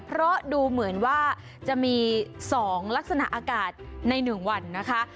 เพราะดูเหมือนว่าจะมี๒ลักษณะอากาศใน๑วันนะคะ